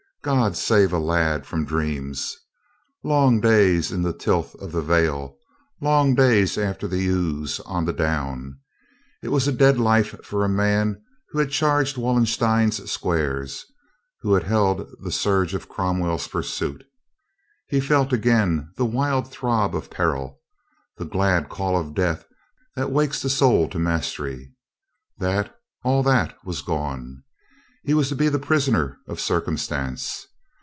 God save a lad from dreams! Long days in the tilth of the vale, long days after the ewes on the down, it was a dead life for a man who had charged Wallenstein's squares, who had held the surge of Cromwell's pursuit. He felt again the wild throb of peril, the glad call of death that wakes the soul to mastery. That, all that was gone. He was to be the prisoner of circum stance.